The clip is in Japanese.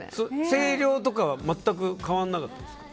声量とかは全く変わらなかったですか？